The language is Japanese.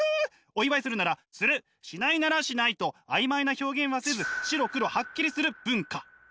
お祝いするならするしないならしないと曖昧な表現はせず白黒ハッキリする文化。